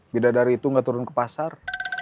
bidadar itu gak turun ke pasar